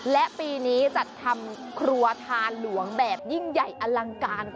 และปีนี้จัดทำครัวทานหลวงแบบยิ่งใหญ่อลังการ